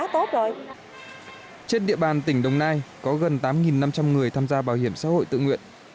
trên địa bàn tỉnh đồng nai có gần tám năm trăm linh người tham gia bảo hiểm xã hội tự nguyện